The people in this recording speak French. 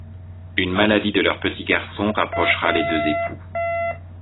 Une maladie de leur petit garçon rapprochera les deux époux.